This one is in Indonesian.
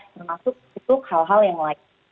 termasuk untuk hal hal yang lain